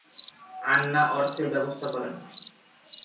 আন্না অর্থের ব্যবস্থা করেন।